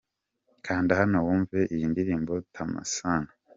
Kanda hano wumve iyi ndirimbo 'Tama sana' .